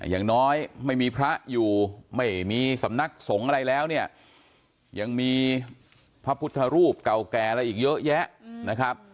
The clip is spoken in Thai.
อย่างน้อยไม่มีพระอยู่ไม่มีสำนักสงฆ์อะไรแล้วเนี่ยยังมีพระพุทธรูปเก่าแก่อะไรอีกเยอะแยะนะครับ